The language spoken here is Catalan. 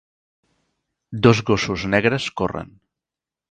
Dos gossos negres corren